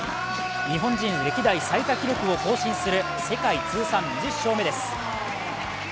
日本人歴代最多記録を更新する世界通算２０勝目です。